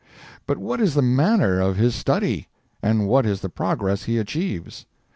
But what is the manner of his study? And what is the progress he achieves?